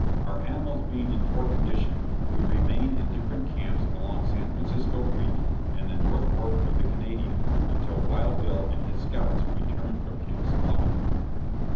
Our animals being in poor condition, we remained in different camps along San Francisco Creek and the north fork of the Canadian, until Wild Bill and his scouts returned from Camp Supply.